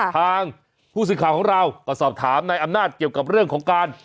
ทางผู้สื่อข่าวของเราก็สอบถามนายอำนาจเกี่ยวกับเรื่องของการ